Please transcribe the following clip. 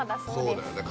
そうだよね